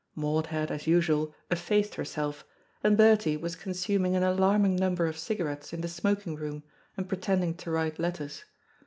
Maud had, as usual, effaced herself, and Bertie was consuming an alarming number of cigarettes in the smoking room, and pretending to write letters.